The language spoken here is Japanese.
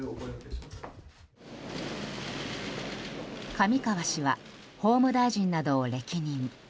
上川氏は法務大臣などを歴任。